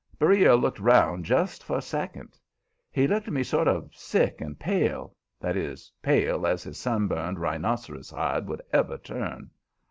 Beriah looked around just for a second. He looked to me sort of sick and pale that is, as pale as his sun burned rhinoceros hide would ever turn.